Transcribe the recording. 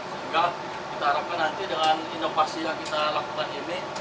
sehingga kita harapkan nanti dengan inovasi yang kita lakukan ini